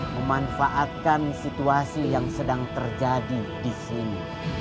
memanfaatkan situasi yang sedang terjadi di sini